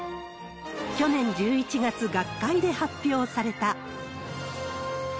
去年１１月、学会で発表された。